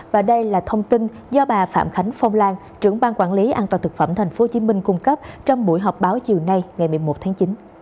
và đây là thông tin do bà phạm khánh phong lan trưởng ban quản lý an toàn thực phẩm tp hcm cung cấp trong buổi họp báo chiều nay ngày một mươi một tháng chín